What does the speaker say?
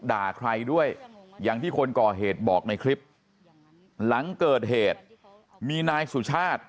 ด่าใครด้วยอย่างที่คนก่อเหตุบอกในคลิปหลังเกิดเหตุมีนายสุชาติ